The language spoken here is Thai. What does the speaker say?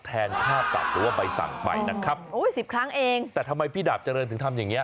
แทนค่าตัสหรือว่าใบสั่งไปนะครับแต่ทำไมพี่ดาบเจริญถึงทำอย่างเนี่ย